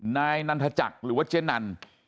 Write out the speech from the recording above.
นายนันทจักรหรือว่าเจ๊นัน